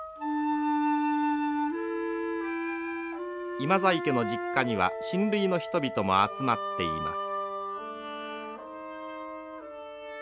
今在家の実家には親類の人々も集まっています。